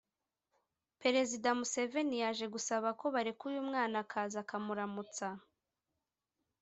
Perezida Museveni yaje gusaba ko bareka uyu mwana akaza akamuramutsa